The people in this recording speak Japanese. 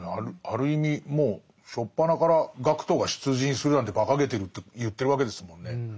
ある意味もう初っぱなから学徒が出陣するなんてばかげてるって言ってるわけですもんね。